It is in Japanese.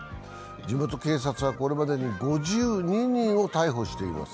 地元警察はこれまでに５２人を逮捕しています。